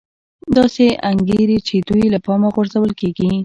داسې انګېري چې دوی له پامه غورځول کېږي